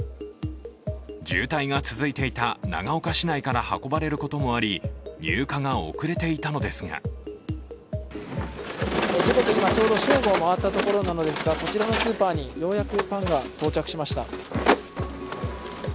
渋滞が続いていた長岡市内から運ばれることもあり入荷が遅れていたのですが時刻は今、ちょうど正午を回ったところなのですが、こちらのスーパーにようやくパンが到着しました。